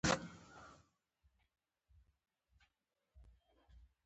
که بیا خپلې ښځې ته ورنېږدې شوې، نو جهنم او سقر دې ځای شو.